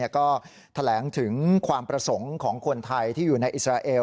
ก็แถลงถึงความประสงค์ของคนไทยที่อยู่ในอิสราเอล